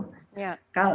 memang bersedia untuk